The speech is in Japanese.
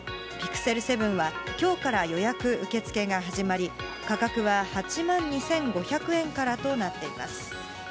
Ｐｉｘｅｌ７はきょうから予約受け付けが始まり、価格は８万２５００円からとなっています。